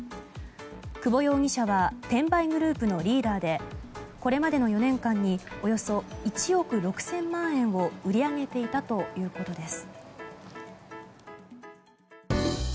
久保容疑者は転売グループのリーダーでこれまでの４年間におよそ１億６０００万円を売り上げていたということです。